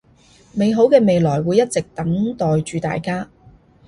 美好嘅未來會一直等待住大家